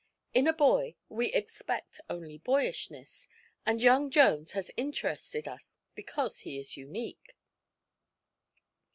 In a boy we expect only boyishness, and young Jones has interested us because he is unique."